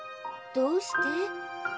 どうして？